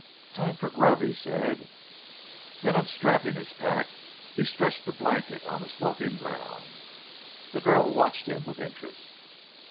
"Time for grub," he said. Then unstrapping his pack he stretched a blanket on the sloping ground. The girl watched him with interest.